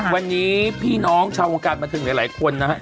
วันนี้พี่น้องชาวโอกาสมาถึงหลายคนนะฮะ